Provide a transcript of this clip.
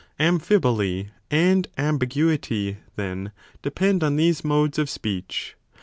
Amphiboly and ambiguity, then, depend on these modes of speech.